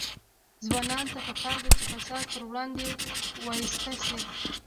ځوانانو ته پکار ده چې، فساد پر وړاندې وایسته شي.